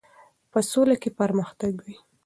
په سوله کې پرمختګ وي.